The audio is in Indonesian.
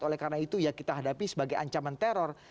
oleh karena itu ya kita hadapi sebagai ancaman teror